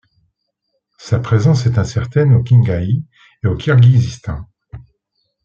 Sa présence est incertaine au Qinghai et au Kirghizistan.